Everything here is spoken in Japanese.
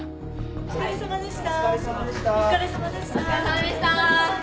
お疲れさまでした。